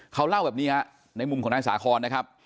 เขาเล่าแบบนี้ฮะในมุมของนายสาคอนนะครับ